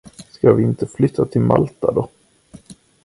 Ska vi inte flytta till Malta då?